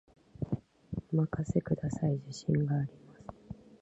お任せください、自信があります